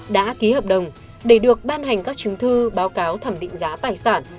đã ký hợp đồng để được ban hành các chứng thư báo cáo thẩm định giá tài sản